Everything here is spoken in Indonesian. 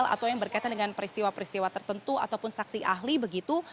atau yang berkaitan dengan peristiwa peristiwa tertentu ataupun saksi ahli begitu